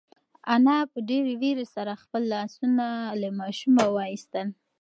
انا په ډېرې وېرې سره خپل لاسونه له ماشومه وایستل.